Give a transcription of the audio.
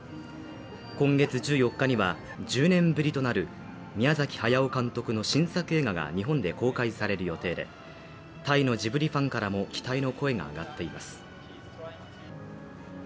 今月１４日には１０年ぶりとなる宮崎駿監督の新作映画が日本で公開される予定でタイのジブリファンからも期待の声が上がっています。